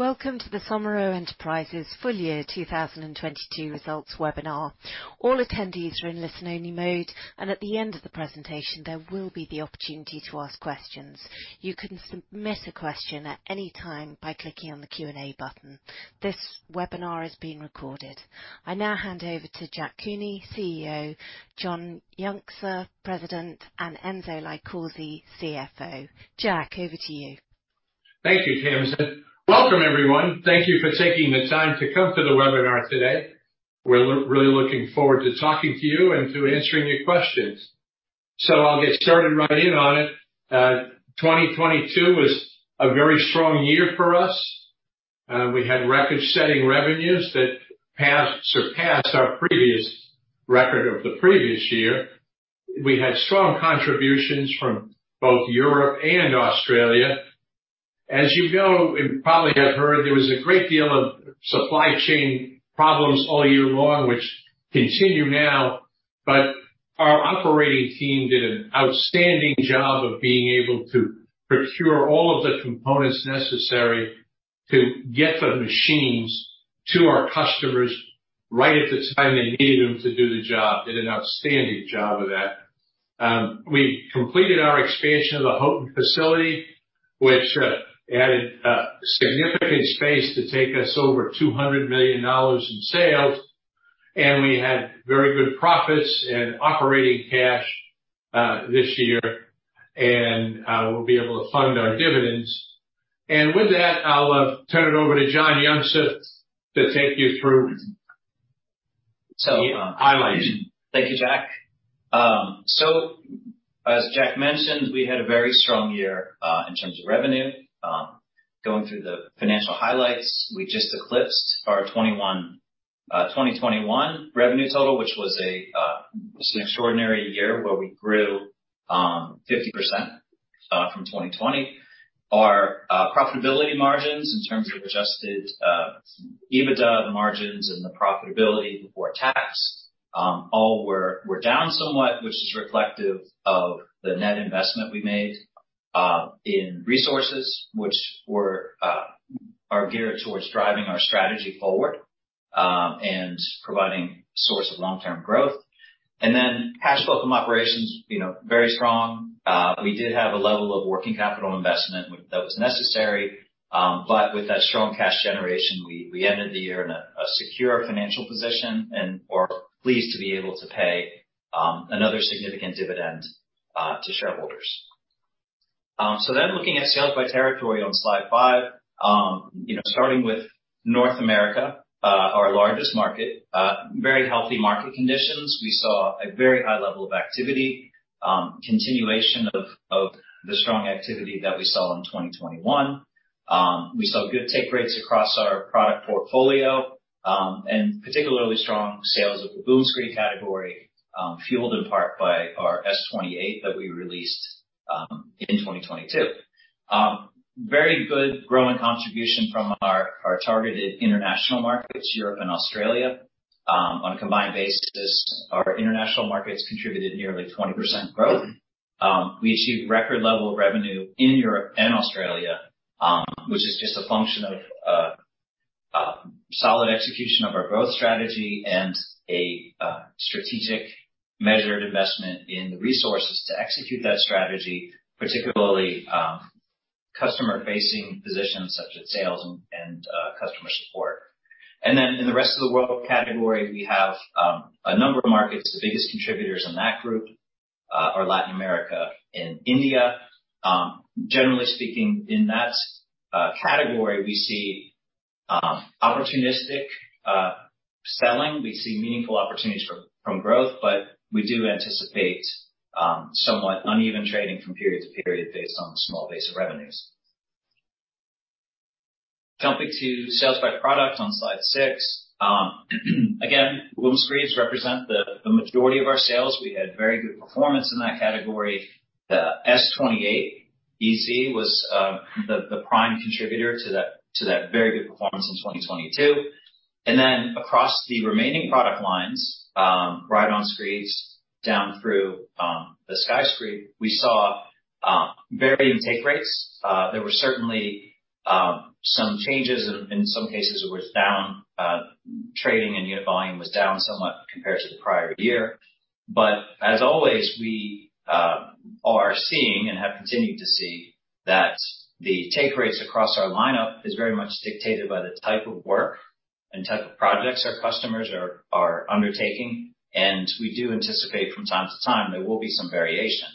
Welcome to the Somero Enterprises Full Year 2022 Results Webinar. All attendees are in listen only mode and at the end of the presentation, there will be the opportunity to ask questions. You can submit a question at any time by clicking on the Q&A button. This webinar is being recorded. I now hand over to Jack Cooney, CEO, John Yuncza, President, and Enzo LiCausi, CFO. Jack, over to you. Thank you, Tamzin. Welcome everyone. Thank you for taking the time to come to the webinar today. We're really looking forward to talking to you and to answering your questions. I'll get started right in on it. 2022 was a very strong year for us. We had record-setting revenues that surpassed our previous record of the previous year. We had strong contributions from both Europe and Australia. As you know, and probably have heard, there was a great deal of supply chain problems all year long, which continue now. Our operating team did an outstanding job of being able to procure all of the components necessary to get the machines to our customers right at the time they needed them to do the job. Did an outstanding job of that. We completed our expansion of the Houghton facility, which added significant space to take us over $200 million in sales. We had very good profits and operating cash this year. We'll be able to fund our dividends. With that, I'll turn it over to John Yuncza to take you through some highlights. Thank you, Jack. As Jack mentioned, we had a very strong year in terms of revenue. Going through the financial highlights. We just eclipsed our 2021 revenue total, which was an extraordinary year where we grew 50% from 2020. Our profitability margins in terms of adjusted EBITDA margins and the profitability before tax, all were down somewhat, which is reflective of the net investment we made in resources which are geared towards driving our strategy forward and providing source of long term growth. Cash flow from operations, you know, very strong. We did have a level of working capital investment that was necessary, with that strong cash generation, we ended the year in a secure financial position and are pleased to be able to pay another significant dividend to shareholders. Looking at sales by territory on slide five. You know, starting with North America, our largest market, very healthy market conditions. We saw a very high level of activity, continuation of the strong activity that we saw in 2021. We saw good take rates across our product portfolio, and particularly strong sales of the boom screed category, fueled in part by our S-28 that we released in 2022. Very good growing contribution from our targeted international markets, Europe and Australia. On a combined basis, our international markets contributed nearly 20% growth. We achieved record level of revenue in Europe and Australia, which is just a function of solid execution of our growth strategy and a strategic measured investment in the resources to execute that strategy, particularly customer facing positions such as sales and customer support. In the rest of the world category, we have a number of markets. The biggest contributors in that group are Latin America and India. Generally speaking, in that category, we see opportunistic selling. We see meaningful opportunities from growth. We do anticipate somewhat uneven trading from period to period based on the small base of revenues. Jumping to sales by product on slide six. Again, boom screeds represent the majority of our sales. We had very good performance in that category. The S-28 EZ was the prime contributor to that very good performance in 2022. Across the remaining product lines, Ride-on Screeds down through the SkyScreed, we saw varying take rates. There were certainly some changes. In some cases it was down, trading and unit volume was down somewhat compared to the prior year. As always, we are seeing and have continued to see that the take rates across our lineup is very much dictated by the type of work and type of projects our customers are undertaking. We do anticipate from time to time there will be some variation.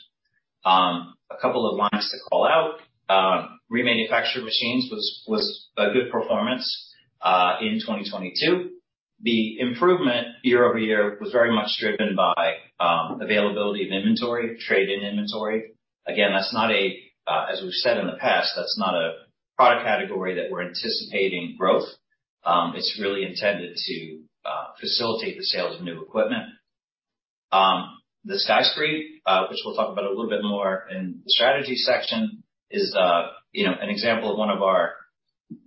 A couple of lines to call out. Remanufactured machines was a good performance in 2022. The improvement year-over-year was very much driven by availability of inventory, trade-in inventory. That's not a, as we've said in the past, that's not a product category that we're anticipating growth. It's really intended to facilitate the sales of new equipment. The SkyScreed, which we'll talk about a little bit more in the strategy section is, you know, an example of one of our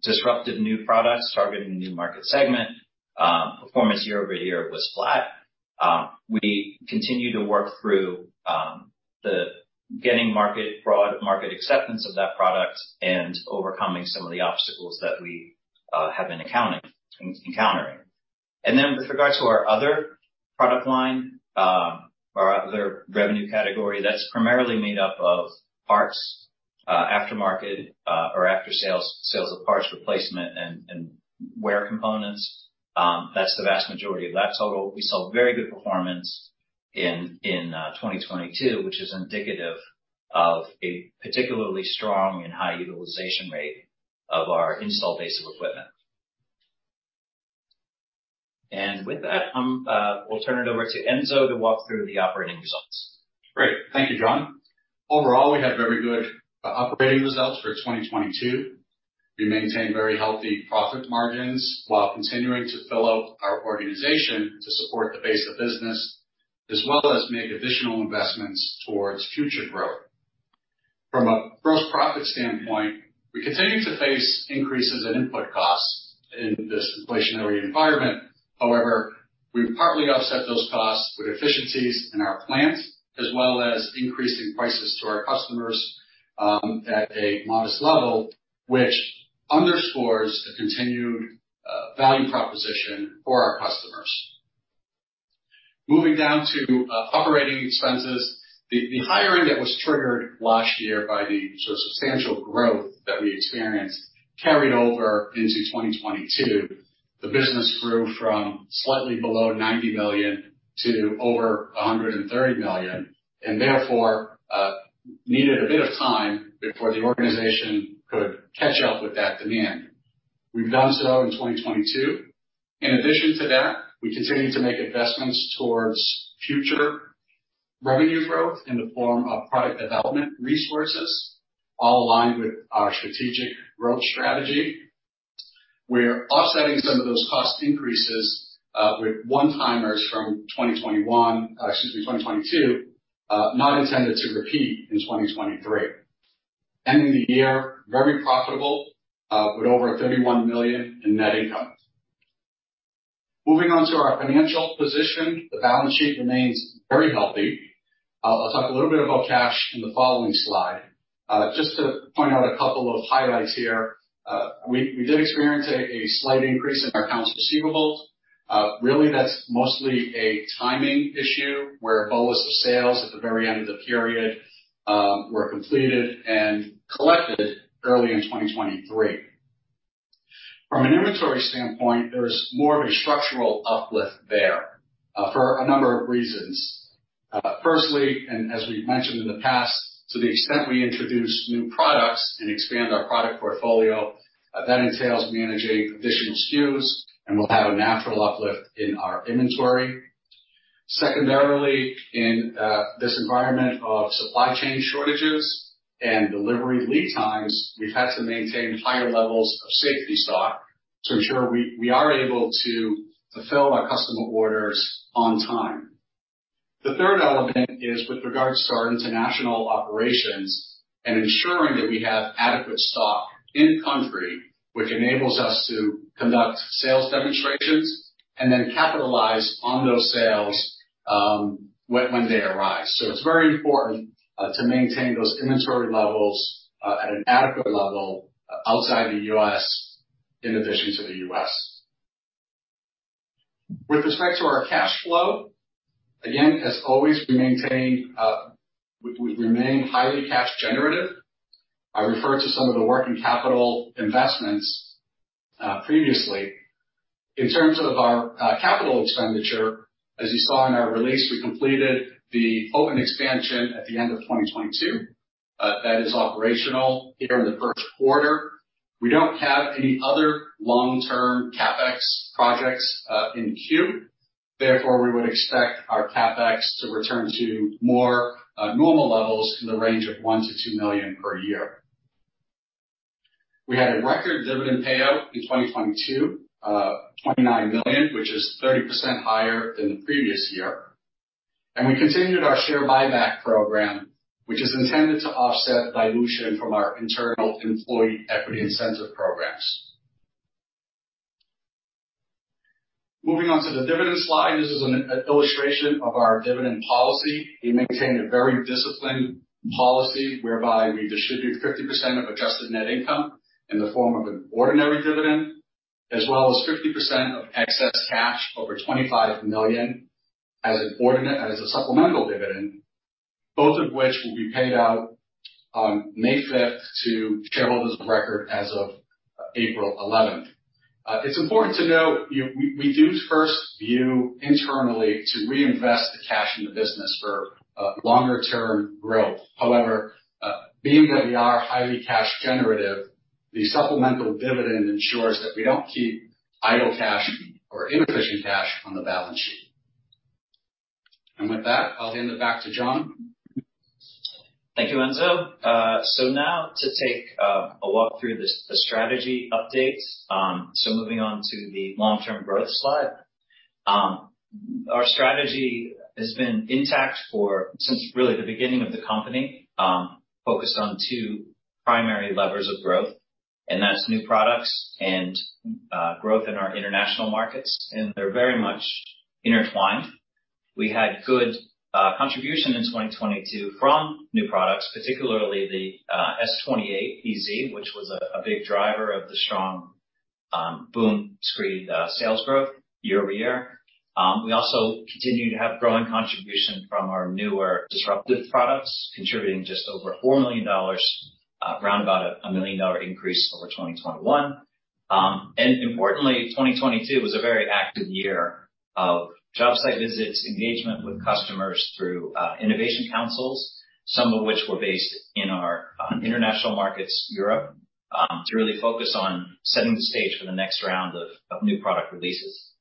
disruptive new products targeting a new market segment. Performance year-over-year was flat. We continue to work through the broad market acceptance of that product and overcoming some of the obstacles that we have been encountering. With regards to our other product line, our other revenue category that's primarily made up of parts, aftermarket, or after sales of parts replacement and wear components, that's the vast majority of that total. We saw very good performance in 2022, which is indicative of a particularly strong and high utilization rate of our install base of equipment. With that, we'll turn it over to Enzo to walk through the operating results. Great. Thank you, John. Overall, we have very good operating results for 2022. We maintain very healthy profit margins while continuing to fill out our organization to support the base of business, as well as make additional investments towards future growth. From a gross profit standpoint, we continue to face increases in input costs in this inflationary environment. However, we've partly offset those costs with efficiencies in our plant, as well as increasing prices to our customers, at a modest level, which underscores a continued value proposition for our customers. Moving down to operating expenses. The hiring that was triggered last year by the sort of substantial growth that we experienced carried over into 2022. The business grew from slightly below $90 million to over $130 million, needed a bit of time before the organization could catch up with that demand. We've done so in 2022. In addition to that, we continue to make investments towards future revenue growth in the form of product development resources, all aligned with our strategic growth strategy. We're offsetting some of those cost increases with one-timers from 2021, excuse me, 2022, not intended to repeat in 2023. Ending the year very profitable, with over $31 million in net income. Moving on to our financial position. The balance sheet remains very healthy. I'll talk a little bit about cash in the following slide. Just to point out a couple of highlights here. We did experience a slight increase in our accounts receivables. Really, that's mostly a timing issue where a bolus of sales at the very end of the period were completed and collected early in 2023. From an inventory standpoint, there's more of a structural uplift there for a number of reasons. Firstly, and as we've mentioned in the past, to the extent we introduce new products and expand our product portfolio, that entails managing additional SKUs, and we'll have a natural uplift in our inventory. Secondarily, in this environment of supply chain shortages and delivery lead times, we've had to maintain higher levels of safety stock to ensure we are able to fulfill our customer orders on time. The third element is with regards to our international operations and ensuring that we have adequate stock in-country, which enables us to conduct sales demonstrations and then capitalize on those sales when they arise. It's very important to maintain those inventory levels at an adequate level outside the U.S. in addition to the U.S. With respect to our cash flow, again, as always, we maintain, we remain highly cash generative. I referred to some of the working capital investments previously. In terms of our capital expenditure, as you saw in our release, we completed the Operational Expansion at the end of 2022. That is operational here in the first quarter. We don't have any other long-term CapEx projects in queue. Therefore, we would expect our CapEx to return to more normal levels in the range of $1 million-$2 million per year. We had a record dividend payout in 2022, $29 million, which is 30% higher than the previous year. We continued our share buyback program, which is intended to offset dilution from our internal employee equity incentive programs. Moving on to the dividend slide. This is an illustration of our dividend policy. We maintain a very disciplined policy whereby we distribute 50% of adjusted net income in the form of an ordinary dividend, as well as 50% of excess cash over $25 million as a supplemental dividend, both of which will be paid out on May fifth to shareholders of record as of April 11th. It's important to note we do first view internally to reinvest the cash in the business for longer-term growth. However, being that we are highly cash generative, the supplemental dividend ensures that we don't keep idle cash or inefficient cash on the balance sheet. With that, I'll hand it back to John. Thank you, Enzo. So now to take a walk through the strategy update. Moving on to the long-term growth slide. Our strategy has been intact for since really the beginning of the company, focused on two primary levers of growth. That's new products and growth in our international markets, and they're very much intertwined. We had good contribution in 2022 from new products, particularly the S-28 EZ, which was a big driver of the strong boom screed sales growth year-over-year. We also continue to have growing contribution from our newer disruptive products, contributing just over $4 million, around about a $1 million increase over 2021. Importantly, 2022 was a very active year of job site visits, engagement with customers through innovation councils, some of which were based in our international markets, Europe, to really focus on setting the stage for the next round of new product releases.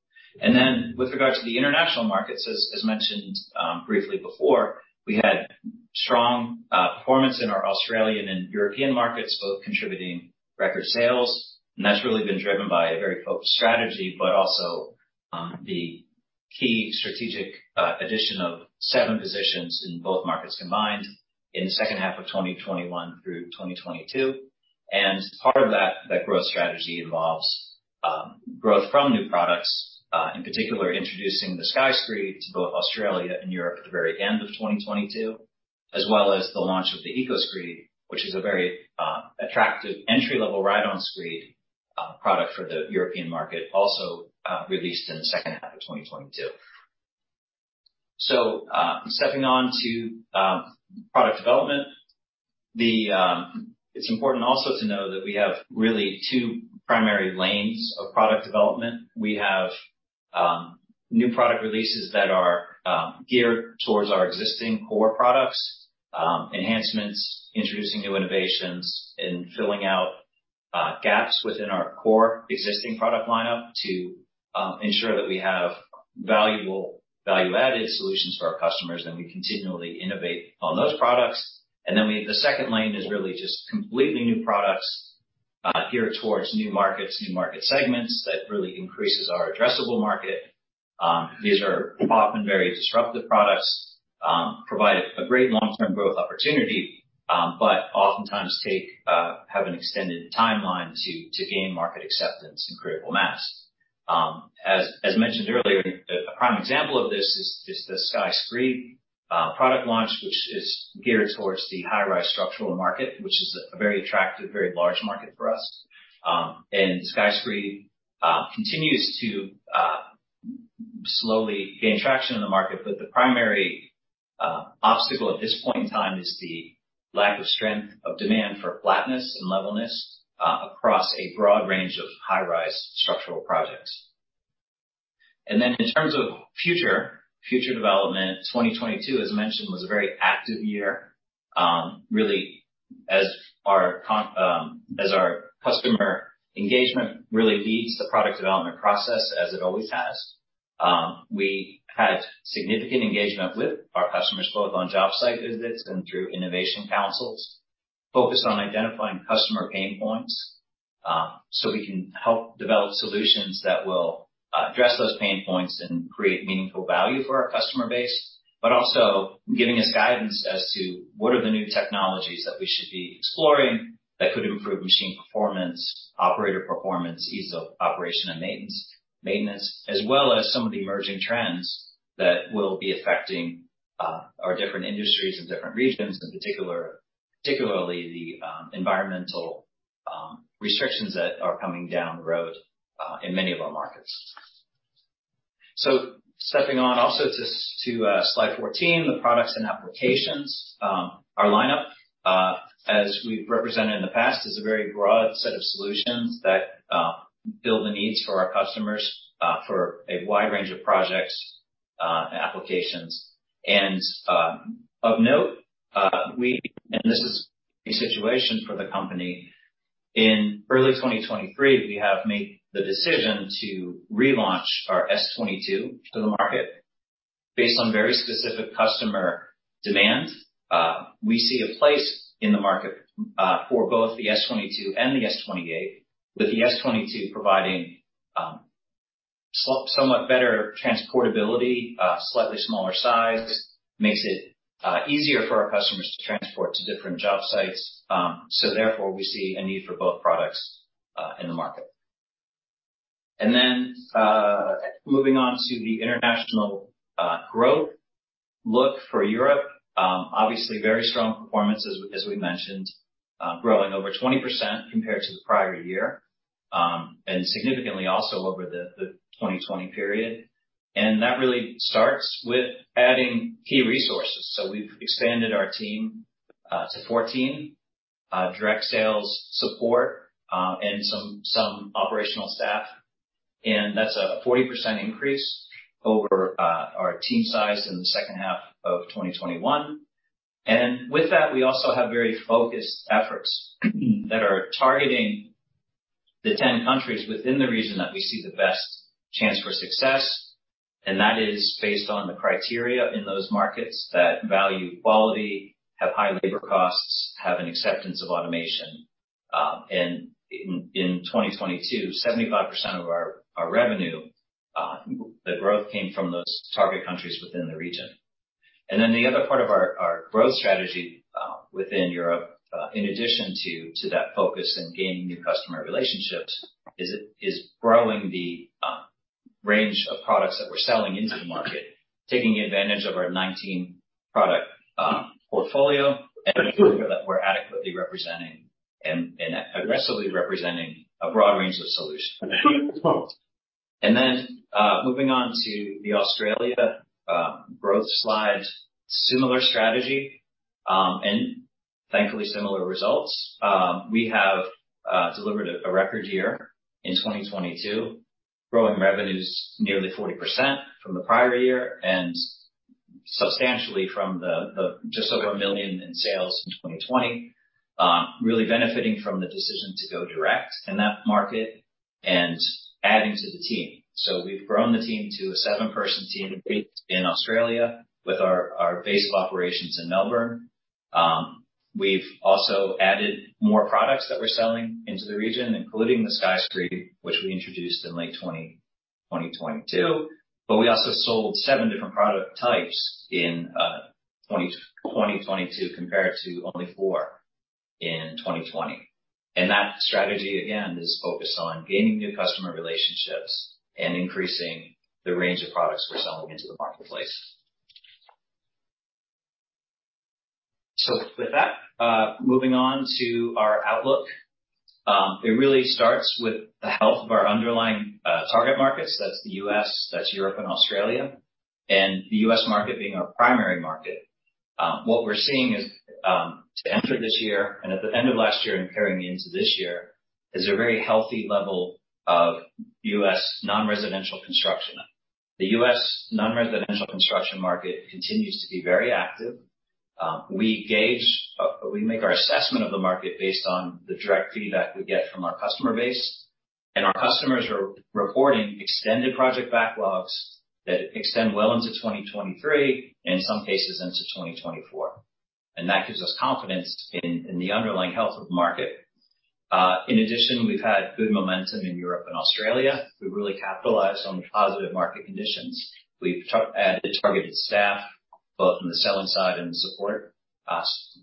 With regards to the international markets, as mentioned briefly before, we had strong performance in our Australian and European markets, both contributing record sales. That's really been driven by a very focused strategy, but also the key strategic addition of seven positions in both markets combined in the second half of 2021 through 2022. Part of that growth strategy involves growth from new products, in particular introducing the SkyScreed to both Australia and Europe at the very end of 2022, as well as the launch of the EcoScreed, which is a very attractive entry-level Ride-on Screed product for the European market, also released in the second half of 2022. Stepping on to product development. It's important also to know that we have really two primary lanes of product development. We have new product releases that are geared towards our existing core products, enhancements, introducing new innovations, and filling out gaps within our core existing product lineup to ensure that we have value-added solutions to our customers, and we continually innovate on those products. The second lane is really just completely new products, geared towards new markets, new market segments that really increases our addressable market. These are often very disruptive products, provide a great long-term growth opportunity, but oftentimes take, have an extended timeline to gain market acceptance and critical mass. As mentioned earlier, a prime example of this is the SkyScreed product launch, which is geared towards the high-rise structural market, which is a very attractive, very large market for us. SkyScreed continues to slowly gain traction in the market, but the primary obstacle at this point in time is the lack of strength of demand for flatness and levelness across a broad range of high-rise structural projects. In terms of future development, 2022, as mentioned, was a very active year, really as our customer engagement really leads the product development process, as it always has. We had significant engagement with our customers, both on job site visits and through innovation councils, focused on identifying customer pain points, so we can help develop solutions that will address those pain points and create meaningful value for our customer base. Also giving us guidance as to what are the new technologies that we should be exploring that could improve machine performance, operator performance, ease of operation and maintenance, as well as some of the emerging trends that will be affecting our different industries and different regions, particularly the environmental restrictions that are coming down the road in many of our markets. Stepping on also to slide 14, the products and applications. Our lineup, as we've represented in the past, is a very broad set of solutions that build the needs for our customers for a wide range of projects and applications. Of note, this is a situation for the company, in early 2023, we have made the decision to relaunch our S-22 to the market based on very specific customer demand. We see a place in the market for both the S-22 and the S-28, with the S-22 providing somewhat better transportability, slightly smaller size, makes it easier for our customers to transport to different job sites. Therefore, we see a need for both products in the market. Moving on to the international growth look for Europe. Obviously very strong performance as we mentioned, growing over 20% compared to the prior year, and significantly also over the 2020 period. That really starts with adding key resources. We've expanded our team to 14 direct sales support and some operational staff, and that's a 40% increase over our team size in the second half of 2021. With that, we also have very focused efforts that are targeting the 10 countries within the region that we see the best chance for success. That is based on the criteria in those markets that value quality, have high labor costs, have an acceptance of automation. In 2022, 75% of our revenue, the growth came from those target countries within the region. Then the other part of our growth strategy within Europe, in addition to that focus in gaining new customer relationships is growing the range of products that we're selling into the market, taking advantage of our 19 product portfolio, and ensure that we're adequately representing and aggressively representing a broad range of solutions. Moving on to the Australia growth slide. Similar strategy, thankfully similar results. We have delivered a record year in 2022, growing revenues nearly 40% from the prior year and substantially from the just over $1 million in sales in 2020. Really benefiting from the decision to go direct in that market and adding to the team. We've grown the team to a seven-person team based in Australia with our base of operations in Melbourne. We've also added more products that we're selling into the region, including the SkyScreed, which we introduced in late 2022. We also sold seven different product types in 2022 compared to only four in 2020. That strategy, again, is focused on gaining new customer relationships and increasing the range of products we're selling into the marketplace. With that, moving on to our outlook. It really starts with the health of our underlying target markets. That's the U.S., that's Europe and Australia. The U.S. market being our primary market. What we're seeing is, to enter this year and at the end of last year and carrying into this year, is a very healthy level of U.S. non-residential construction. The U.S. non-residential construction market continues to be very active. We gauge, we make our assessment of the market based on the direct feedback we get from our customer base. Our customers are reporting extended project backlogs that extend well into 2023 and in some cases into 2024. That gives us confidence in the underlying health of the market. In addition, we've had good momentum in Europe and Australia. We've really capitalized on the positive market conditions. We've added targeted staff, both on the selling side and the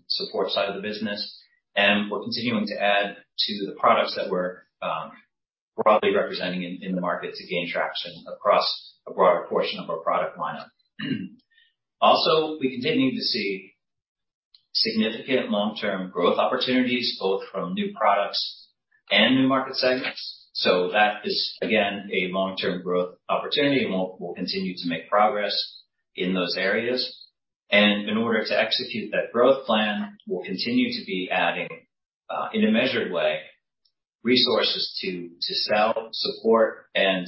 support side of the business. We're continuing to add to the products that we're broadly representing in the market to gain traction across a broader portion of our product lineup. We continue to see significant long-term growth opportunities, both from new products and new market segments. That is again a long-term growth opportunity, and we'll continue to make progress in those areas. In order to execute that growth plan, we'll continue to be adding in a measured way, resources to sell, support, and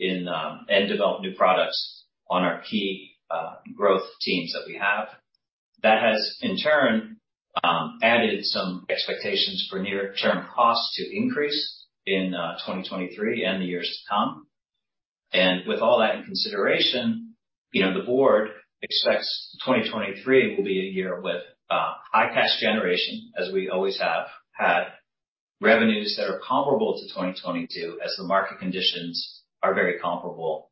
develop new products on our key growth teams that we have. That has in turn added some expectations for near-term costs to increase in 2023 and the years to come. With all that in consideration, you know, the board expects 2023 will be a year with high cash generation, as we always have had, revenues that are comparable to 2022 as the market conditions are very comparable,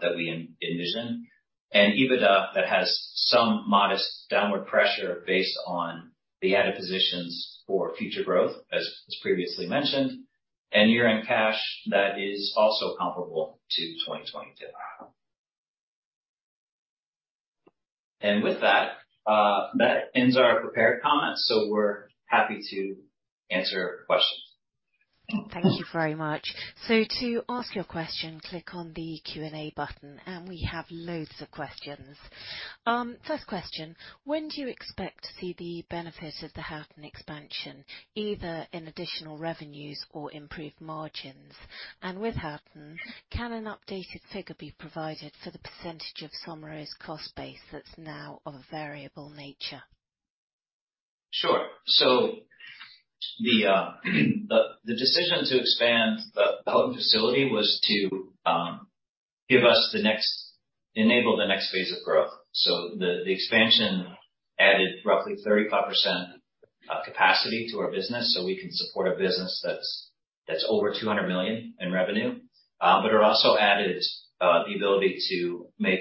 that we envision. EBITDA that has some modest downward pressure based on the added positions for future growth, as previously mentioned. Year-end cash that is also comparable to 2022. With that ends our prepared comments. We're happy to answer questions. Thank you very much. To ask your question, click on the Q&A button. We have loads of questions. First question, when do you expect to see the benefit of the Houghton expansion, either in additional revenues or improved margins? With Houghton, can an updated figure be provided for the percentage of Somero's cost base that's now of a variable nature? Sure. The decision to expand the Houghton facility was to enable the next phase of growth. The expansion added roughly 35% capacity to our business, so we can support a business that's over $200 million in revenue. It also added the ability to make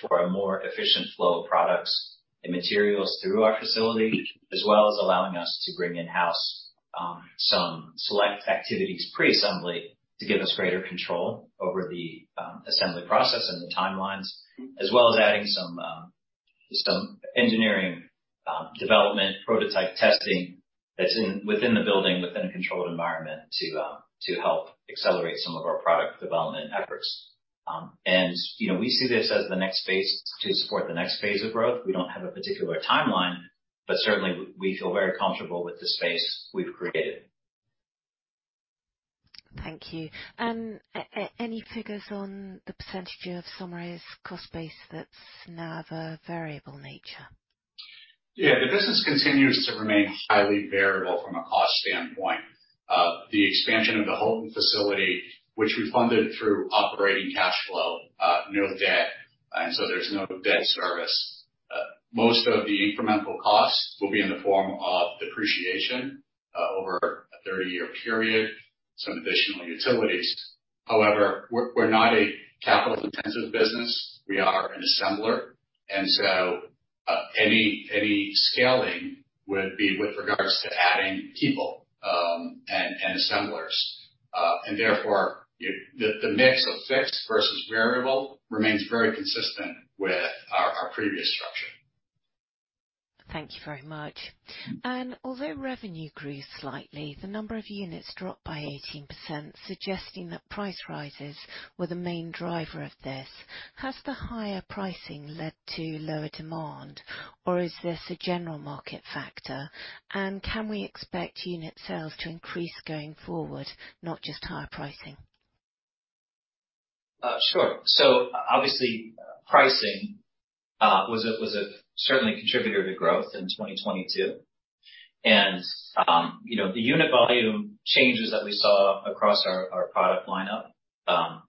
for a more efficient flow of products and materials through our facility, as well as allowing us to bring in-house some select activities pre-assembly to give us greater control over the assembly process and the timelines. As well as adding some system engineering, development, prototype testing that's within the building, within a controlled environment to help accelerate some of our product development efforts. You know, we see this as the next phase to support the next phase of growth. We don't have a particular timeline, certainly we feel very comfortable with the space we've created. Thank you. Any figures on the percentage of Somero's cost base that's now of a variable nature? Yeah. The business continues to remain highly variable from a cost standpoint. The expansion of the Houghton facility, which we funded through operating cash flow, no debt. There's no debt service Most of the incremental costs will be in the form of depreciation, over a 30-year period, some additional utilities. We're not a capital-intensive business. We are an assembler, any scaling would be with regards to adding people, and assemblers. Therefore, the mix of fixed versus variable remains very consistent with our previous structure. Thank you very much. Although revenue grew slightly, the number of units dropped by 18%, suggesting that price rises were the main driver of this. Has the higher pricing led to lower demand, or is this a general market factor? Can we expect unit sales to increase going forward, not just higher pricing? Sure. Obviously, pricing was a certainly contributor to growth in 2022. You know, the unit volume changes that we saw across our product lineup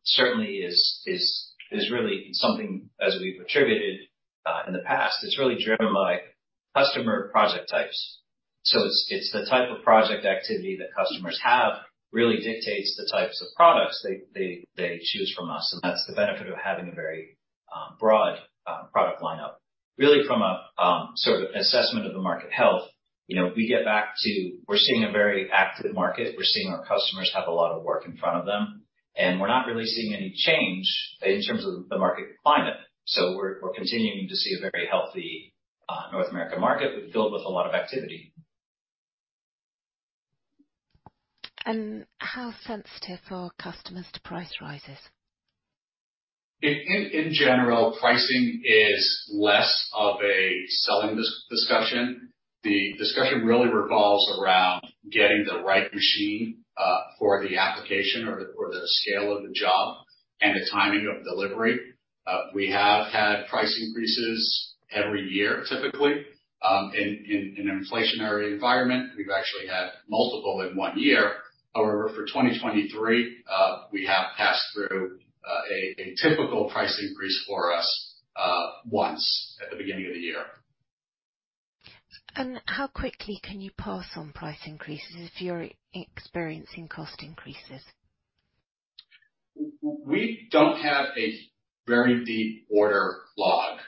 certainly is really something as we've attributed in the past. It's really driven by customer project types. It's the type of project activity that customers have really dictates the types of products they choose from us, and that's the benefit of having a very broad product lineup. Really from a sort of assessment of the market health, you know, we get back to we're seeing a very active market. We're seeing our customers have a lot of work in front of them, and we're not really seeing any change in terms of the market climate. We're continuing to see a very healthy, North American market filled with a lot of activity. How sensitive are customers to price rises? In general, pricing is less of a selling discussion. The discussion really revolves around getting the right machine for the application or the scale of the job and the timing of delivery. We have had price increases every year, typically in an inflationary environment. We've actually had multiple in one year. However, for 2023, we have passed through a typical price increase for us once at the beginning of the year. How quickly can you pass on price increases if you're experiencing cost increases? We don't have a very deep order log,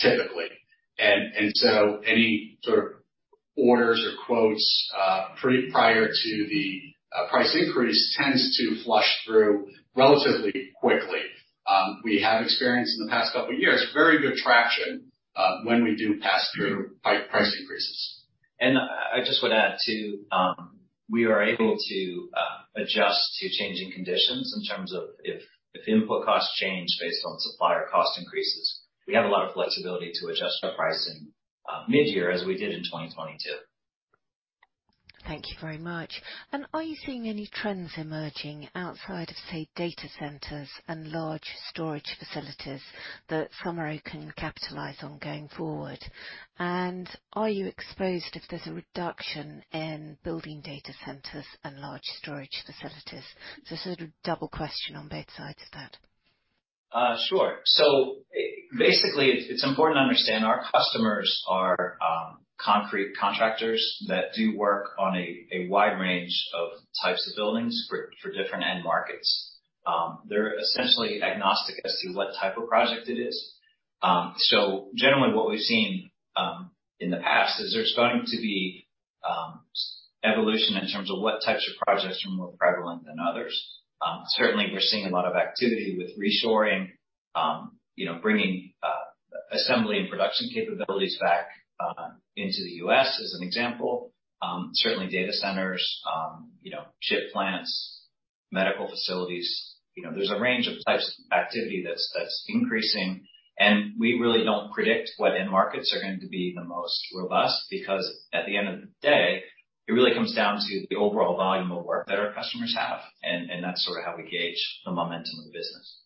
typically. Any sort of orders or quotes prior to the price increase tends to flush through relatively quickly. We have experienced in the past couple years, very good traction when we do pass through price increases. I just would add, too, we are able to adjust to changing conditions in terms of if input costs change based on supplier cost increases. We have a lot of flexibility to adjust our pricing mid-year, as we did in 2022. Thank you very much. Are you seeing any trends emerging outside of, say, data centers and large storage facilities that Somero can capitalize on going forward? Are you exposed if there's a reduction in building data centers and large storage facilities? It's a sort of double question on both sides of that. Sure. Basically, it's important to understand our customers are concrete contractors that do work on a wide range of types of buildings for different end markets. They're essentially agnostic as to what type of project it is. Generally what we've seen in the past is there's going to be evolution in terms of what types of projects are more prevalent than others. Certainly we're seeing a lot of activity with reshoring, you know, bringing assembly and production capabilities back into the U.S. as an example. Certainly data centers, you know, chip plants, medical facilities, you know, there's a range of types of activity that's increasing. We really don't predict what end markets are going to be the most robust because at the end of the day, it really comes down to the overall volume of work that our customers have. That's sort of how we gauge the momentum of the business.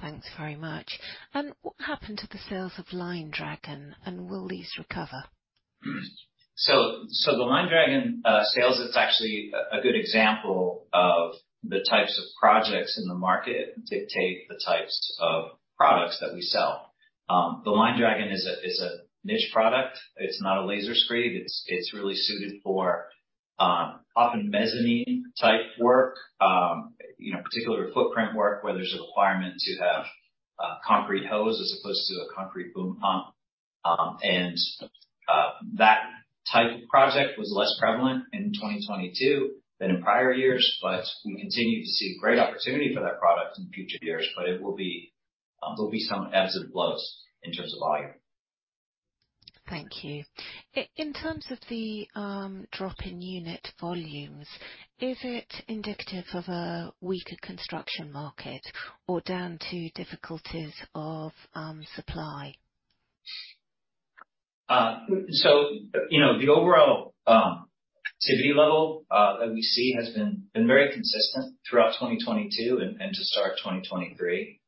Thanks very much. What happened to the sales of Line Dragon, and will these recover? The Line Dragon sales, it's actually a good example of the types of projects in the market dictate the types of products that we sell. The Line Dragon is a niche product. It's not a Laser Screed. It's really suited for often mezzanine type work, you know, particular footprint work, where there's a requirement to have concrete hose as opposed to a concrete boom pump. That type of project was less prevalent in 2022 than in prior years, but we continue to see great opportunity for that product in future years. It will be, there'll be some ebbs and flows in terms of volume. Thank you. In terms of the drop in unit volumes, is it indicative of a weaker construction market or down to difficulties of supply? You know, the overall activity level that we see has been very consistent throughout 2022 and to start of 2023.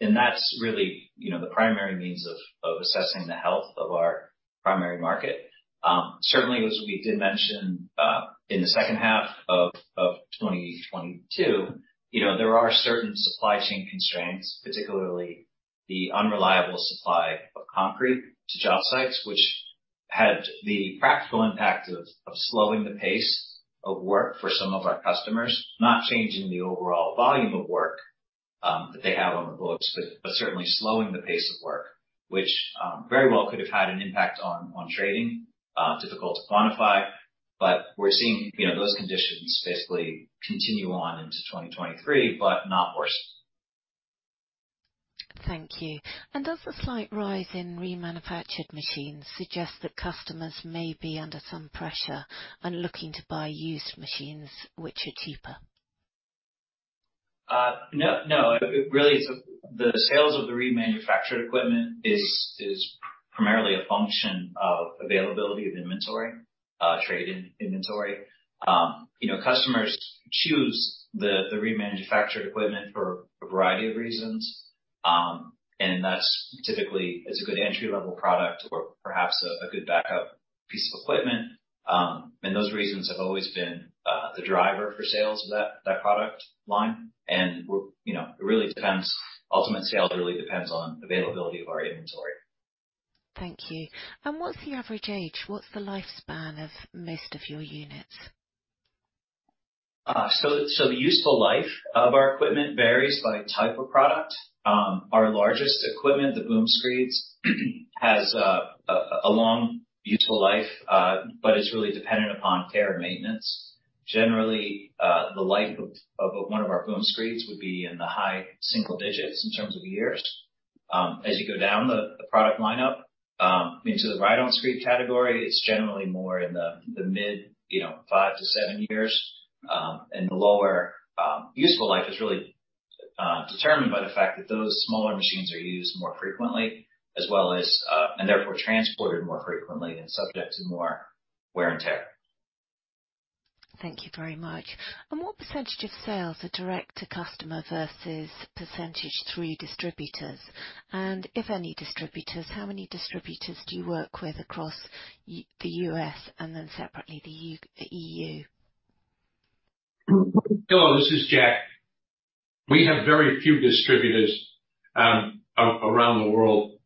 That's really, you know, the primary means of assessing the health of our primary market. Certainly as we did mention in the second half of 2022, you know, there are certain supply chain constraints, particularly the unreliable supply of concrete to job sites, which had the practical impact of slowing the pace of work for some of our customers, not changing the overall volume of work that they have on the books, certainly slowing the pace of work, which very well could have had an impact on trading, difficult to quantify. We're seeing, you know, those conditions basically continue on into 2023, but not worse. Thank you. Does the slight rise in remanufactured machines suggest that customers may be under some pressure and looking to buy used machines which are cheaper? No, no. It really is the sales of the remanufactured equipment is primarily a function of availability of inventory, trade in-inventory. You know, customers choose the remanufactured equipment for a variety of reasons. That's typically is a good entry-level product or perhaps a good backup piece of equipment. Those reasons have always been the driver for sales of that product line. You know, it really depends. Ultimate sales really depends on availability of our inventory. Thank you. What's the average age? What's the lifespan of most of your units? The useful life of our equipment varies by type of product. Our largest equipment, the boom screeds, has a long useful life, but it's really dependent upon care and maintenance. Generally, the life of one of our boom screeds would be in the high single digits in terms of years. As you go down the product lineup, into the Ride-on Screed category, it's generally more in the mid, you know, five to seven years. The lower useful life is really determined by the fact that those smaller machines are used more frequently as well as and therefore transported more frequently and subject to more wear and tear. Thank you very much. What percentage of sales are direct to customer versus percentage through distributors? If any distributors, how many distributors do you work with across the U.S. and then separately the E.U.? Hello, this is Jack. We have very few distributors around the world.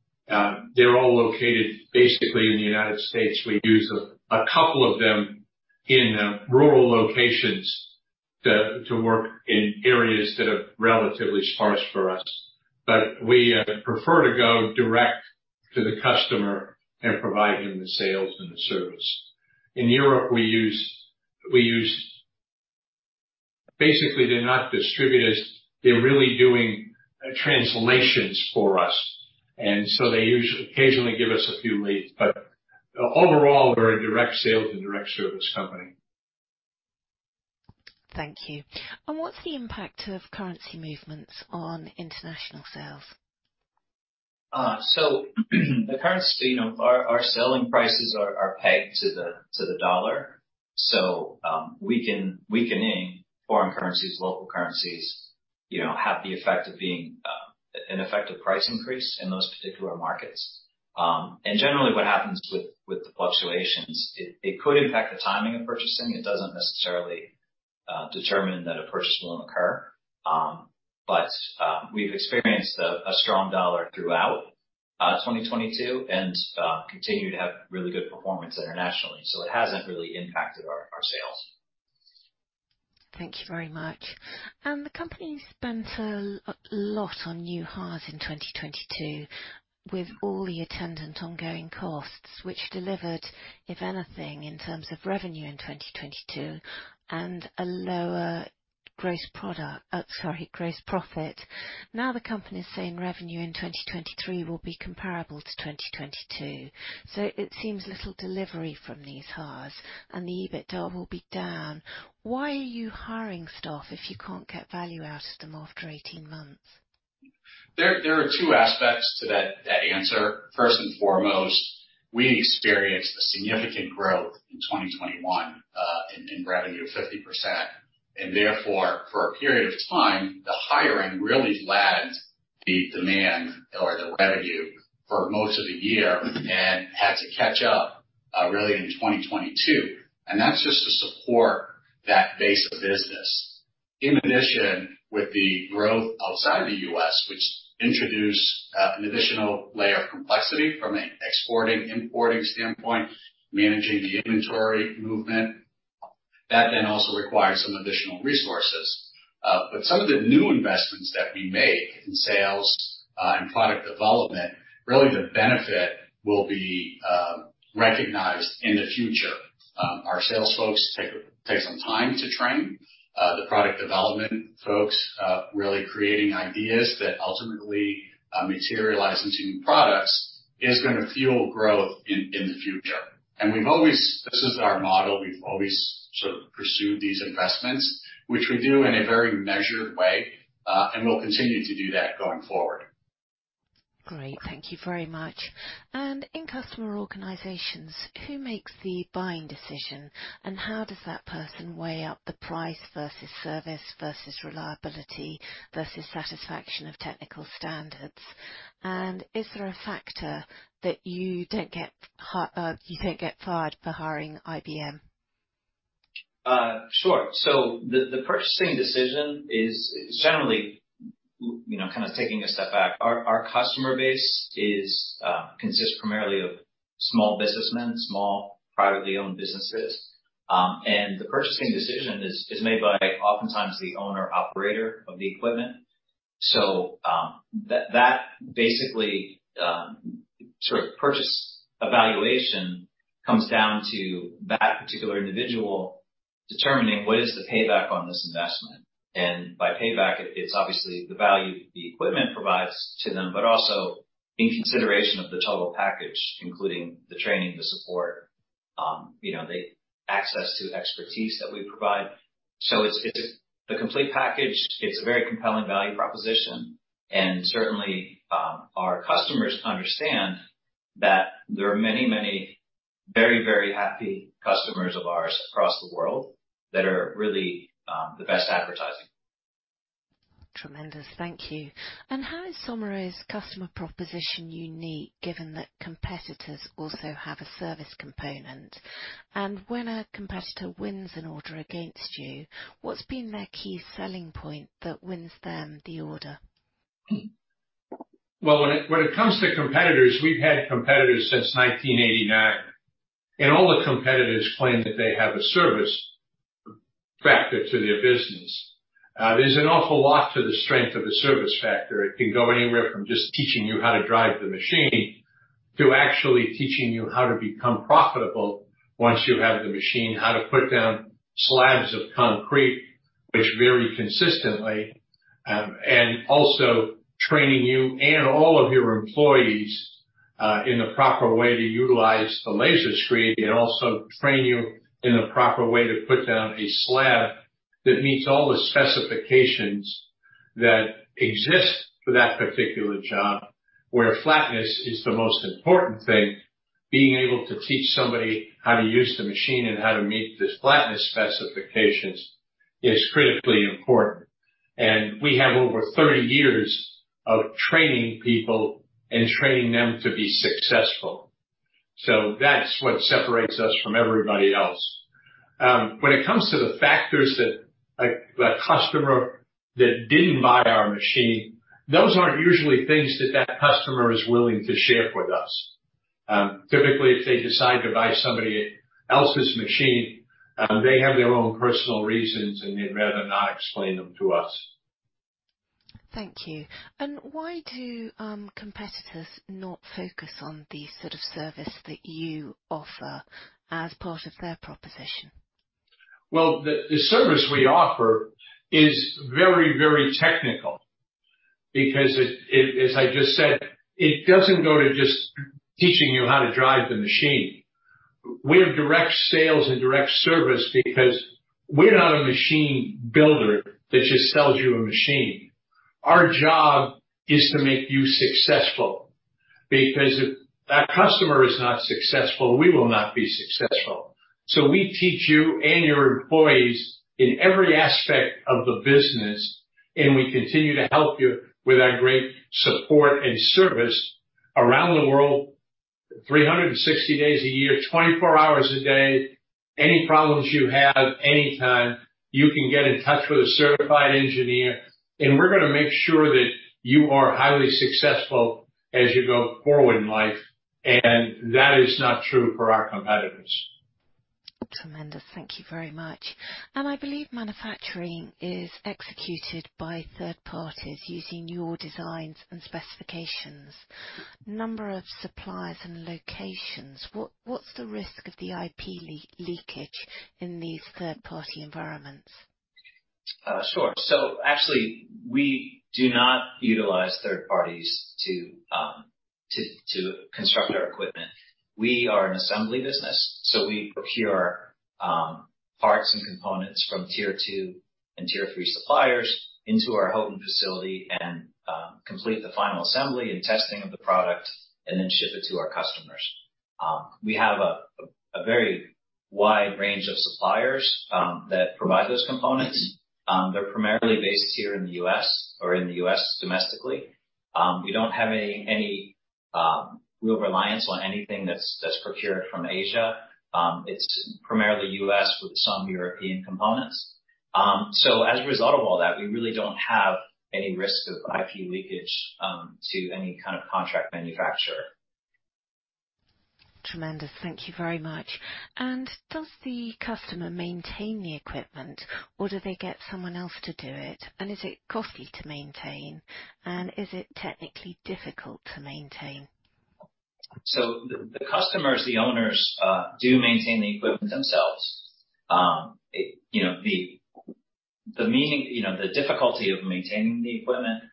They're all located basically in the United States. We use a couple of them in rural locations to work in areas that are relatively sparse for us. We prefer to go direct to the customer and provide him the sales and the service. In Europe, we use. Basically, they're not distributors. They're really doing translations for us. They occasionally give us a few leads. Overall, we're a direct sales and direct service company. Thank you. What's the impact of currency movements on international sales? The currency, you know, our selling prices are pegged to the dollar. Weakening foreign currencies, local currencies, you know, have the effect of being an effective price increase in those particular markets. Generally what happens with the fluctuations, it could impact the timing of purchasing. It doesn't necessarily determine that a purchase will occur. We've experienced a strong dollar throughout 2022 and continue to have really good performance internationally. It hasn't really impacted our sales. Thank you very much. The company spent a lot on new hires in 2022 with all the attendant ongoing costs, which delivered, if anything, in terms of revenue in 2022 and a lower gross profit. The company is saying revenue in 2023 will be comparable to 2022. It seems little delivery from these hires and the EBITDA will be down. Why are you hiring staff if you can't get value out of them after 18 months? There are two aspects to that answer. First and foremost, we experienced a significant growth in 2021 in revenue of 50%. Therefore, for a period of time, the hiring really lagged the demand or the revenue for most of the year and had to catch up really in 2022. That's just to support that base of business. In addition, with the growth outside the U.S., which introduced an additional layer of complexity from an exporting/importing standpoint, managing the inventory movement. That then also required some additional resources. Some of the new investments that we make in sales and product development, really the benefit will be recognized in the future. Our sales folks take some time to train. The product development folks, really creating ideas that ultimately, materialize into new products is gonna fuel growth in the future. We've always. This is our model. We've always sort of pursued these investments, which we do in a very measured way, and we'll continue to do that going forward. Great. Thank you very much. In customer organizations, who makes the buying decision, and how does that person weigh up the price versus service versus reliability versus satisfaction of technical standards? Is there a factor that you don't get fired for hiring IBM? Sure. The purchasing decision is generally, you know, kind of taking a step back. Our customer base consists primarily of small businessmen, small privately owned businesses. The purchasing decision is made by oftentimes the owner operator of the equipment. That basically sort of purchase evaluation comes down to that particular individual determining what is the payback on this investment. By payback it's obviously the value the equipment provides to them, but also in consideration of the total package, including the training, the support, you know, the access to expertise that we provide. It's the complete package. It's a very compelling value proposition. Certainly, our customers understand that there are many very happy customers of ours across the world that are really the best advertising. Tremendous. Thank you. How is Somero's customer proposition unique, given that competitors also have a service component? When a competitor wins an order against you, what's been their key selling point that wins them the order? When it comes to competitors, we've had competitors since 1989. All the competitors claim that they have a service factor to their business. There's an awful lot to the strength of the service factor. It can go anywhere from just teaching you how to drive the machine to actually teaching you how to become profitable once you have the machine, how to put down slabs of concrete, which very consistently, and also training you and all of your employees in the proper way to utilize the Laser Screed and also train you in the proper way to put down a slab that meets all the specifications that exist for that particular job. Where flatness is the most important thing, being able to teach somebody how to use the machine and how to meet this flatness specifications is critically important. We have over 30 years of training people and training them to be successful. That's what separates us from everybody else. When it comes to the factors that a customer that didn't buy our machine, those aren't usually things that that customer is willing to share with us. Typically, if they decide to buy somebody else's machine, they have their own personal reasons and they'd rather not explain them to us. Thank you. Why do competitors not focus on the sort of service that you offer as part of their proposition? The service we offer is very, very technical because it as I just said, it doesn't go to just teaching you how to drive the machine. We have direct sales and direct service because we're not a machine builder that just sells you a machine. Our job is to make you successful, because if that customer is not successful, we will not be successful. We teach you and your employees in every aspect of the business, and we continue to help you with our great support and service around the world, 360 days a year, 24 hours a day. Any problems you have, anytime, you can get in touch with a certified engineer, and we're gonna make sure that you are highly successful as you go forward in life. That is not true for our competitors. Tremendous. Thank you very much. I believe manufacturing is executed by third parties using your designs and specifications. Number of suppliers and locations. What's the risk of the IP leakage in these third-party environments? Sure. Actually we do not utilize third parties to construct our equipment. We are an assembly business, so we procure parts and components from tier two and tier three suppliers into our Houghton facility and complete the final assembly and testing of the product and then ship it to our customers. We have a very wide range of suppliers that provide those components. They're primarily based here in the U.S. or in the U.S. domestically. We don't have any real reliance on anything that's procured from Asia. It's primarily U.S. with some European components. As a result of all that, we really don't have any risk of IP leakage to any kind of contract manufacturer. Tremendous. Thank you very much. Does the customer maintain the equipment or do they get someone else to do it? Is it costly to maintain? Is it technically difficult to maintain? The, the customers, the owners, do maintain the equipment themselves. It, you know, the difficulty of maintaining the equipment,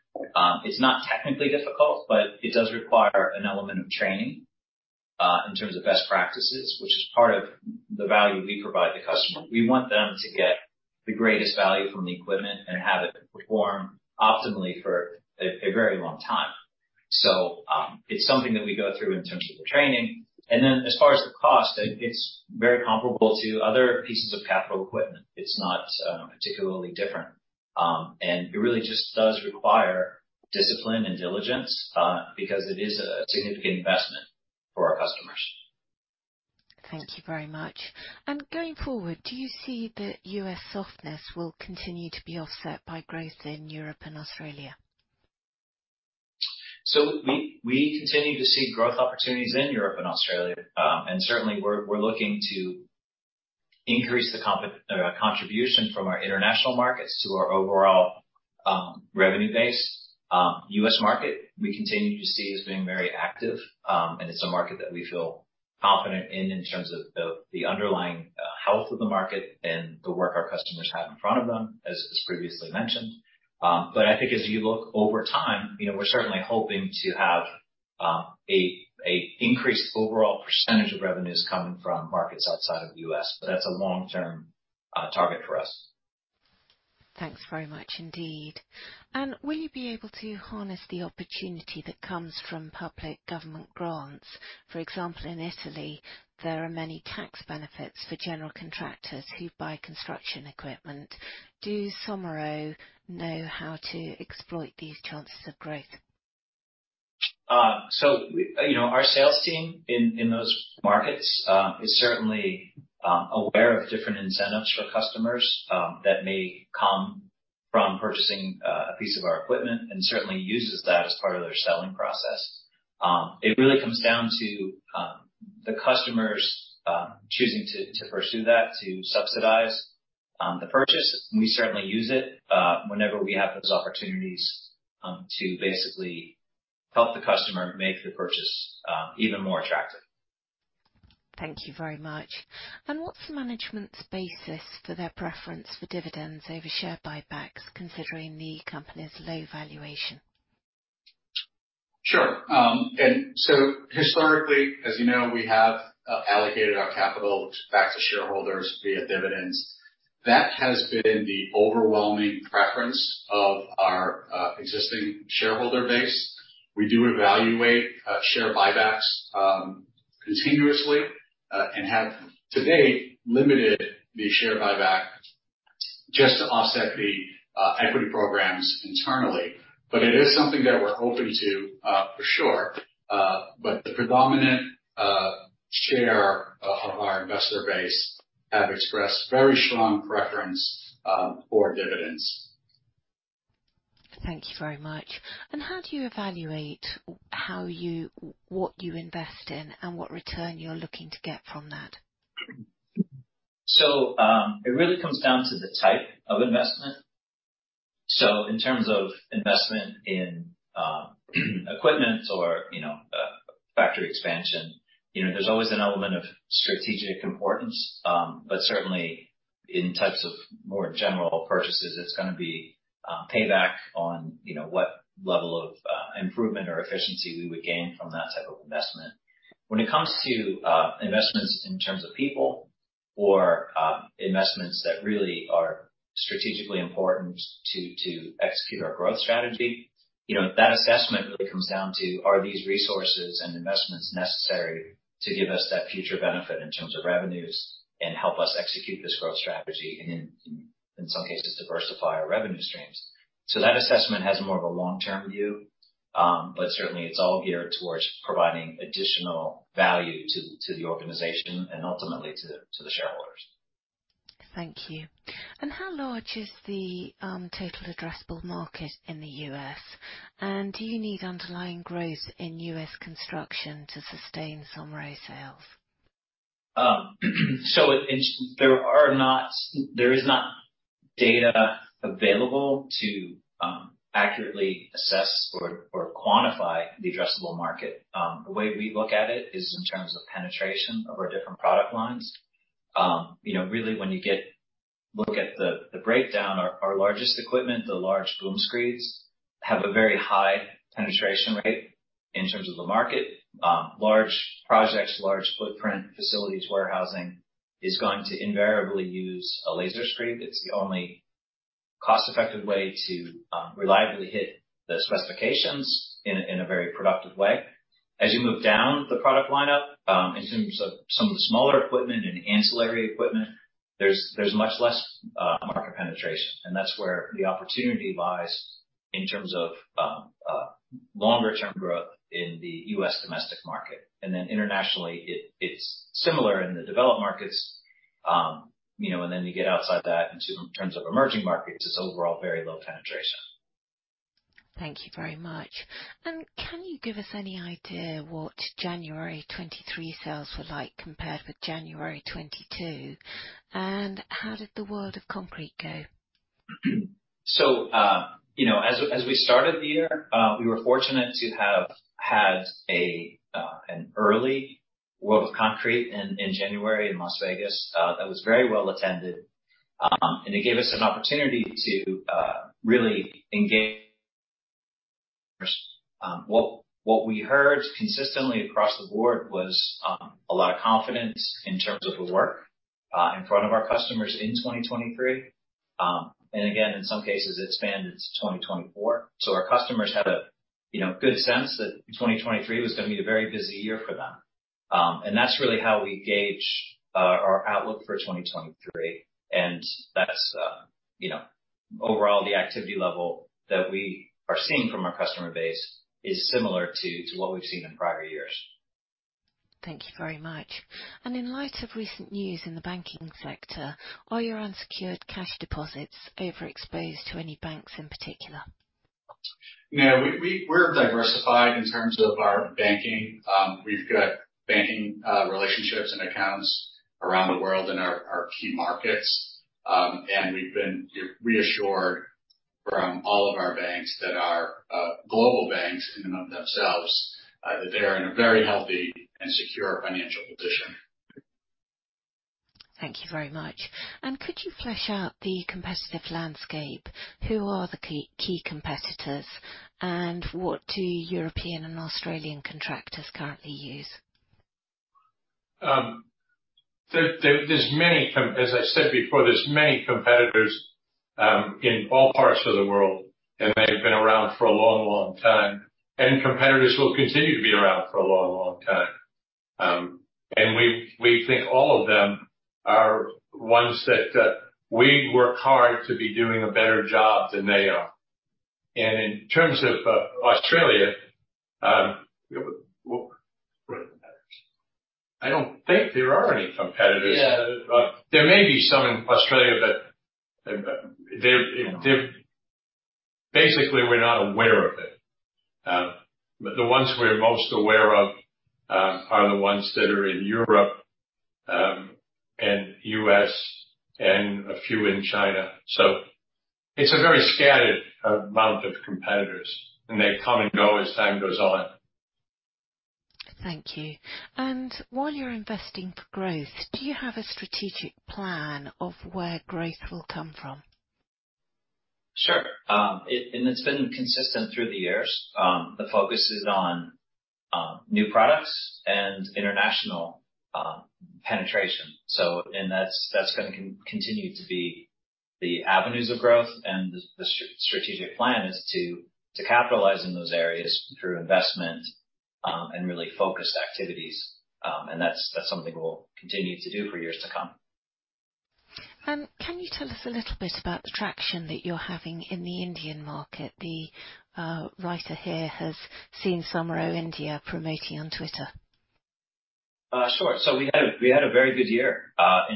is not technically difficult, but it does require an element of training in terms of best practices, which is part of the value we provide the customer. We want them to get the greatest value from the equipment and have it perform optimally for a very long time. It's something that we go through in terms of the training. As far as the cost, it's very comparable to other pieces of capital equipment. It's not particularly different. It really just does require discipline and diligence because it is a significant investment. For our customers. Thank you very much. Going forward, do you see that U.S. softness will continue to be offset by growth in Europe and Australia? We continue to see growth opportunities in Europe and Australia. Certainly we're looking to increase the contribution from our international markets to our overall revenue base. U.S. market we continue to see as being very active, and it's a market that we feel confident in terms of the underlying health of the market and the work our customers have in front of them, as previously mentioned. I think as you look over time, you know, we're certainly hoping to have a increased overall percentage of revenues coming from markets outside of the U.S. That's a long-term target for us. Thanks very much indeed. Will you be able to harness the opportunity that comes from public government grants? For example, in Italy, there are many tax benefits for general contractors who buy construction equipment. Do Somero know how to exploit these chances of growth? You know, our sales team in those markets is certainly aware of different incentives for customers that may come from purchasing a piece of our equipment and certainly uses that as part of their selling process. It really comes down to the customers choosing to pursue that to subsidize the purchase. We certainly use it whenever we have those opportunities to basically help the customer make the purchase even more attractive. Thank you very much. What's management's basis for their preference for dividends over share buybacks, considering the company's low valuation? Sure. Historically, as you know, we have allocated our capital back to shareholders via dividends. That has been the overwhelming preference of our existing shareholder base. We do evaluate share buybacks continuously and have to date limited the share buyback just to offset the equity programs internally. It is something that we're open to for sure. The predominant share of our investor base have expressed very strong preference for dividends. Thank you very much. How do you evaluate what you invest in and what return you're looking to get from that? It really comes down to the type of investment. In terms of investment in equipment or, you know, factory expansion, you know, there's always an element of strategic importance. Certainly in types of more general purchases, it's gonna be payback on, you know, what level of improvement or efficiency we would gain from that type of investment. When it comes to investments in terms of people or investments that really are strategically important to execute our growth strategy, you know, that assessment really comes down to are these resources and investments necessary to give us that future benefit in terms of revenues and help us execute this growth strategy and in some cases diversify our revenue streams. That assessment has more of a long-term view, but certainly it's all geared towards providing additional value to the organization and ultimately to the shareholders. Thank you. How large is the total addressable market in the U.S.? Do you need underlying growth in U.S. construction to sustain Somero sales? There is not data available to accurately assess or quantify the addressable market. The way we look at it is in terms of penetration of our different product lines. You know, really, when you look at the breakdown, our largest equipment, the large boom screeds, have a very high penetration rate in terms of the market. Large projects, large footprint facilities, warehousing is going to invariably use a Laser Screed. It's the only cost-effective way to reliably hit the specifications in a very productive way. As you move down the product lineup, into some of the smaller equipment and ancillary equipment, there's much less market penetration. That's where the opportunity lies in terms of longer term growth in the U.S. domestic market. Then internationally, it's similar in the developed markets. you know, you get outside that into, in terms of emerging markets, it's overall very low penetration. Thank you very much. Can you give us any idea what January 23 sales were like compared with January 22? How did the World of Concrete go? You know, as we started the year, we were fortunate to have had a an early World of Concrete in January in Las Vegas that was very well attended. It gave us an opportunity to really engage. What we heard consistently across the board was a lot of confidence in terms of the work in front of our customers in 2023. Again, in some cases it expanded to 2024. Our customers had a, you know, good sense that 2023 was gonna be a very busy year for them. That's really how we gauge our outlook for 2023. That's, you know-Overall, the activity level that we are seeing from our customer base is similar to what we've seen in prior years. Thank you very much. In light of recent news in the banking sector, are your unsecured cash deposits overexposed to any banks in particular? No, we're diversified in terms of our banking. We've got banking relationships and accounts around the world in our key markets. We've been reassured from all of our banks that are global banks in and of themselves, that they are in a very healthy and secure financial position. Thank you very much. Could you flesh out the competitive landscape? Who are the key competitors, what do European and Australian contractors currently use? there's many As I said before, there's many competitors, in all parts of the world, and they've been around for a long, long time, and competitors will continue to be around for a long, long time. We think all of them are ones that, we work hard to be doing a better job than they are. In terms of, Australia. Competitors. I don't think there are any competitors. Yeah. There may be some in Australia, but they're Basically, we're not aware of it. The ones we're most aware of, are the ones that are in Europe, and U.S., and a few in China. It's a very scattered amount of competitors, and they come and go as time goes on. Thank you. While you're investing for growth, do you have a strategic plan of where growth will come from? Sure. It's been consistent through the years. The focus is on new products and international penetration. That's gonna continue to be the avenues of growth. The strategic plan is to capitalize in those areas through investment, and really focused activities. That's something we'll continue to do for years to come. Can you tell us a little bit about the traction that you're having in the Indian market? The writer here has seen Somero India promoting on Twitter. Sure. We had a very good year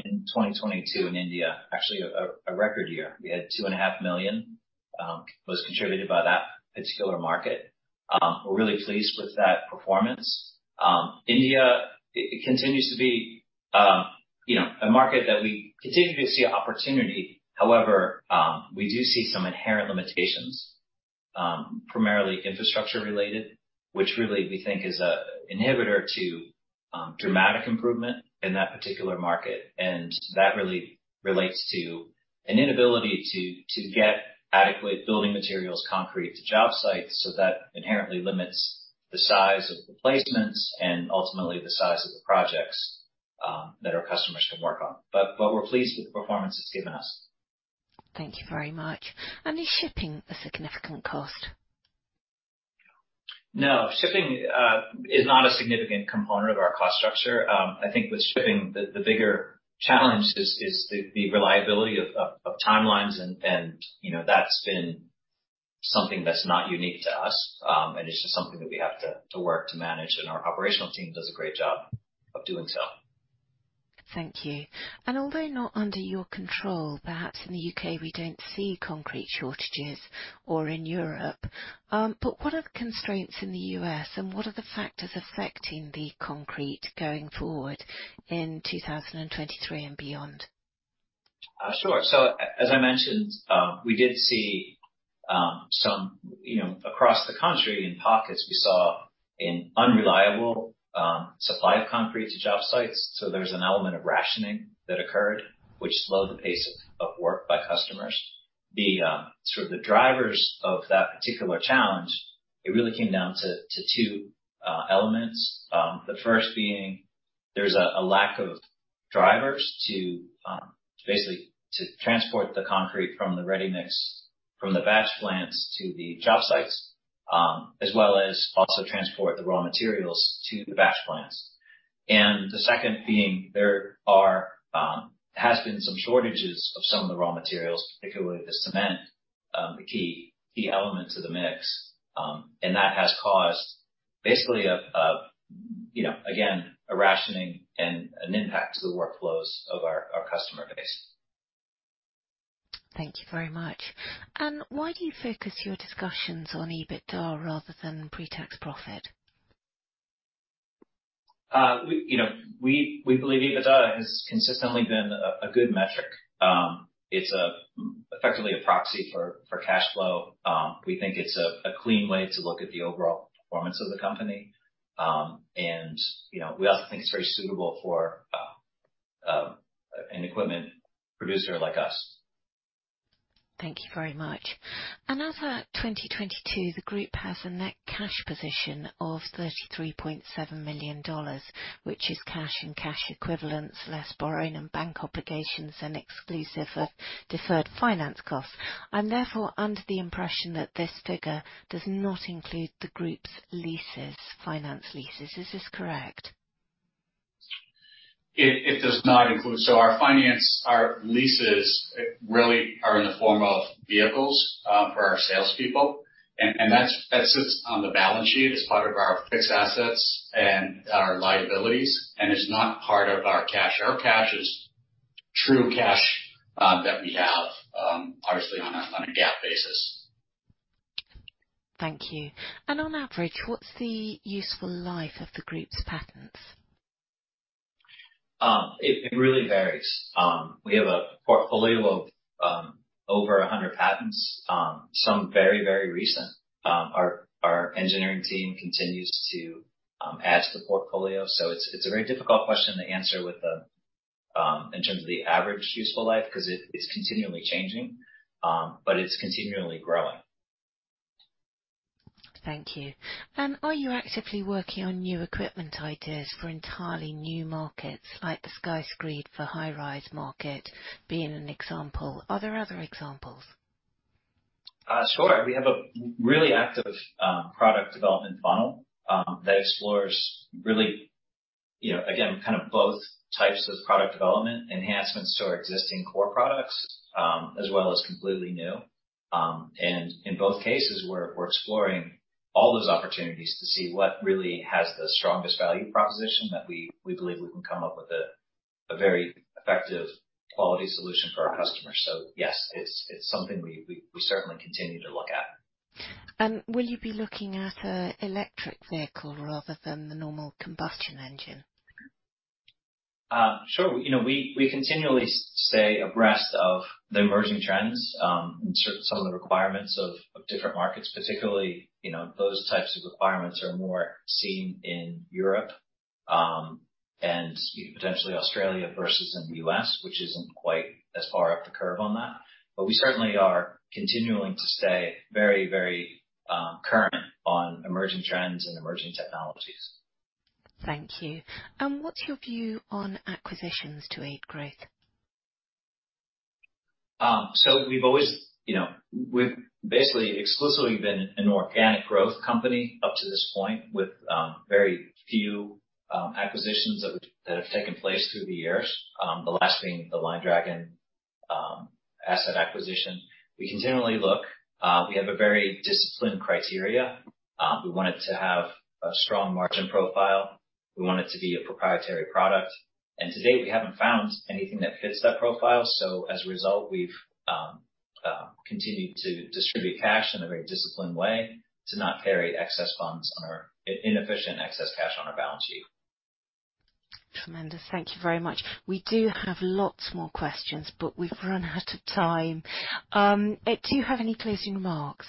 in 2022 in India. Actually a record year. We had two and a half million dollars was contributed by that particular market. We're really pleased with that performance. India, it continues to be, you know, a market that we continue to see opportunity. However, we do see some inherent limitations, primarily infrastructure related, which really we think is a inhibitor to dramatic improvement in that particular market. That really relates to an inability to get adequate building materials, concrete to job sites. That inherently limits the size of the placements and ultimately the size of the projects that our customers can work on. We're pleased with the performance it's given us. Thank you very much. Is shipping a significant cost? No. Shipping is not a significant component of our cost structure. I think with shipping, the bigger challenge is the reliability of timelines. You know, that's been something that's not unique to us, it's just something that we have to work to manage, and our operational team does a great job of doing so. Thank you. Although not under your control, perhaps in the U.K., we don't see concrete shortages or in Europe, but what are the constraints in the U.S., and what are the factors affecting the concrete going forward in 2023 and beyond? Sure. As I mentioned, we did see, some, you know, across the country in pockets, we saw an unreliable supply of concrete to job sites. There's an element of rationing that occurred, which slowed the pace of work by customers. The sort of the drivers of that particular challenge, it really came down to two elements. The first being there's a lack of drivers to basically to transport the concrete from the ready mix batch plants to the job sites, as well as also transport the raw materials to the batch plants. The second being there are has been some shortages of some of the raw materials, particularly the cement, the key elements of the mix. That has caused basically a, you know, again, a rationing and an impact to the workflows of our customer base. Thank you very much. Why do you focus your discussions on EBITDA rather than pre-tax profit? We, you know, we believe EBITDA has consistently been a good metric. It's effectively a proxy for cash flow. We think it's a clean way to look at the overall performance of the company. You know, we also think it's very suitable for an equipment producer like us. Thank you very much. As at 2022, the group has a net cash position of $33.7 million, which is cash and cash equivalents, less borrowing and bank obligations and exclusive of deferred finance costs. I'm therefore under the impression that this figure does not include the group's leases, finance leases. Is this correct? It does not include. Our finance, our leases really are in the form of vehicles, for our salespeople and that sits on the balance sheet as part of our fixed assets and our liabilities, and is not part of our cash. Our cash is true cash, that we have, obviously on a GAAP basis. Thank you. On average, what's the useful life of the group's patents? It really varies. We have a portfolio of over 100 patents, some very, very recent. Our engineering team continues to add to the portfolio, so it's a very difficult question to answer with the in terms of the average useful life, 'cause it's continually changing, but it's continually growing. Thank you. Are you actively working on new equipment ideas for entirely new markets, like the SkyScreed for high-rise market being an example? Are there other examples? Sure. We have a really active product development funnel that explores really, you know, again, kind of both types of product development enhancements to our existing core products as well as completely new. In both cases, we're exploring all those opportunities to see what really has the strongest value proposition that we believe we can come up with a very effective quality solution for our customers. Yes, it's something we certainly continue to look at. Will you be looking at a electric vehicle rather than the normal combustion engine? Sure. You know, we continually stay abreast of the emerging trends, and some of the requirements of different markets, particularly, you know, those types of requirements are more seen in Europe, and potentially Australia versus in the U.S., which isn't quite as far up the curve on that. We certainly are continuing to stay very current on emerging trends and emerging technologies. Thank you. What's your view on acquisitions to aid growth? We've always, you know, we've basically exclusively been an organic growth company up to this point with very few acquisitions that have taken place through the years. The last being the Line Dragon asset acquisition. We continually look. We have a very disciplined criteria. We want it to have a strong margin profile. We want it to be a proprietary product. To date, we haven't found anything that fits that profile. As a result, we've continued to distribute cash in a very disciplined way to not carry excess funds on our inefficient excess cash on our balance sheet. Tremendous. Thank you very much. We do have lots more questions, but we've run out of time. Do you have any closing remarks?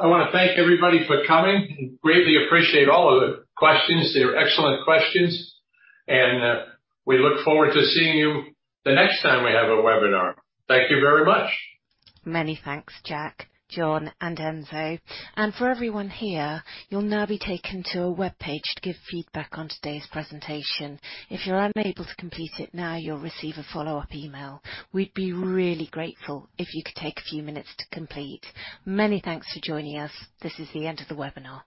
I wanna thank everybody for coming. Greatly appreciate all of the questions. They're excellent questions. We look forward to seeing you the next time we have a webinar. Thank you very much. Many thanks, Jack, John, and Enzo. For everyone here, you'll now be taken to a webpage to give feedback on today's presentation. If you're unable to complete it now, you'll receive a follow-up email. We'd be really grateful if you could take a few minutes to complete. Many thanks for joining us. This is the end of the webinar.